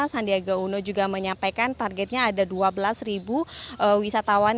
sandiaga uno juga menyampaikan targetnya ada dua belas wisatawan